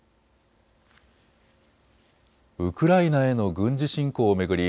ウクライナへの軍事侵攻を巡り